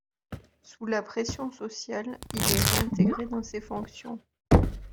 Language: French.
Sous la pression sociale, il est réintégré dans ses fonctions.